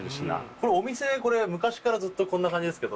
これお店昔からずっとこんな感じですけど。